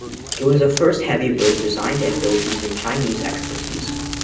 It was the first heavy bridge designed and built using Chinese expertise.